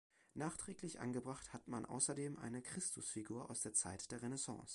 Nachträglich angebracht hat man außerdem eine Christusfigur aus der Zeit der Renaissance.